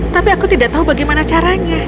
tapi aku tidak tahu bagaimana caranya